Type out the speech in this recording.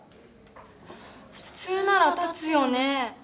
普通ならたつよね？